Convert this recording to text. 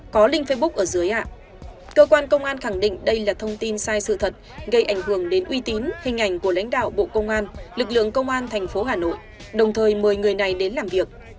cơ quan công an khẳng định đây là thông tin sai sự thật gây ảnh hưởng đến uy tín hình ảnh của lãnh đạo bộ công an lực lượng công an tp hà nội đồng thời mời người này đến làm việc